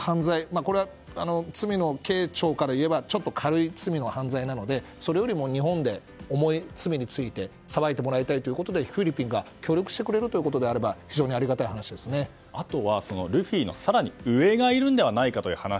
これは罪の軽重からいえばちょっと軽い罪の犯罪なのでそれよりも日本で重い罪について裁いてもらいたいということでフィリピンが協力してくれるということであればあとは、ルフィの更に上がいるのではないかという話。